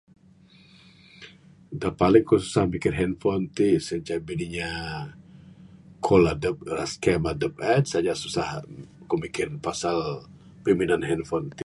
Da paling ku susah mikir handphone ti sien inceh bin inya kol adup uhh scam adup en saja susah ku mikir pasal piminan handphone ti